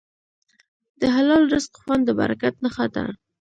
د حلال رزق خوند د برکت نښه ده.